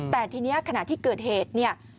แต่ทีนี้ขณะที่เกิดเหตุเนี่ย